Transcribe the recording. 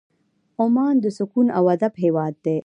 عمان د سکون او ادب هېواد دی.